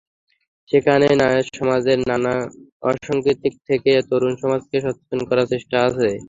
সেখানে সমাজের নানা অসংগতি থেকে তরুণ সমাজকে সচেতন করার চেষ্টা আছে।